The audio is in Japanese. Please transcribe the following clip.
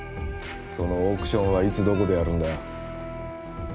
そのオークションはいつどこでやるんだよ